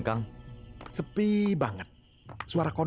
aku tahu rabbit belle tahu patio ini